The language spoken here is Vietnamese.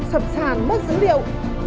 sập sàn mất dữ liệu